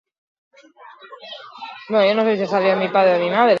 Honengatik, Frantziako Ohorezko Legioa jaso zuen, besteak beste.